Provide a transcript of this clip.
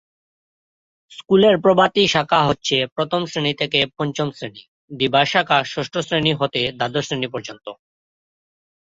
স্কুলের প্রভাতী শাখা হচ্ছে প্রথম শ্রেণী থেকে পঞ্চম শ্রেণী, দিবা শাখা ষষ্ঠ শ্রেনী হতে দ্বাদশ শ্রেণী পর্যন্ত।